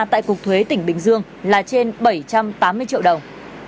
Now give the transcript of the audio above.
tại cục thuế tỉnh bình dương là trên bảy trăm tám mươi triệu đồng